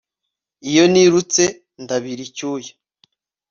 Iyo nirutse ndabira icyuya